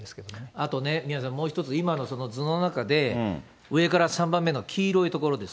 あとね、宮根さん、もう一つ、今のその図の中で、上から３番目の黄色い所です。